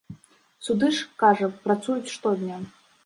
Суды ж, кажа, працуюць штодня.